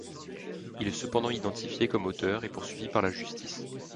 Il est cependant identifié comme auteur et poursuivi par la justice.